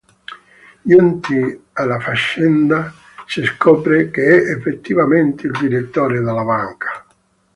Giunti alla fazenda, si scopre che è effettivamente il direttore della banca.